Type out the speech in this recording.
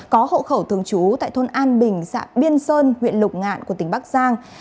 có hộ khẩu thường trú tại thôn an bình xã biên sơn huyện lục ngạn của tỉnh bắc giang